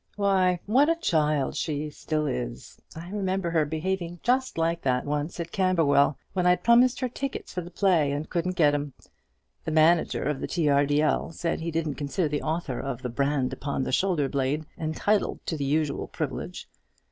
Why, what a child she is still! I remember her behaving just like that once at Camberwell, when I'd promised her tickets for the play, and couldn't get 'em. The manager of the T. R. D. L. said he didn't consider the author of 'The Brand upon the Shoulder blade' entitled to the usual privilege.